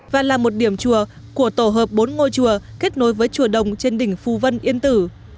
và là một điểm chùa của tổ hợp bốn ngôi chùa kết nối với chùa đồng trên đỉnh phù vân yên tử